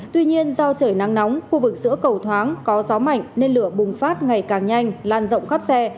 tuy nhiên do trời nắng nóng khu vực giữa cầu thoáng có gió mạnh nên lửa bùng phát ngày càng nhanh lan rộng khắp xe